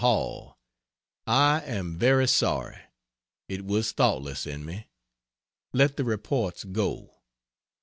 HALL, I am very sorry it was thoughtless in me. Let the reports go.